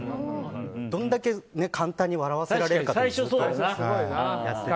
どんだけ簡単に笑わせられるかって。